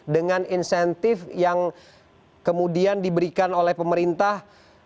dengan insentif yang kemudian diberikan oleh pemerintah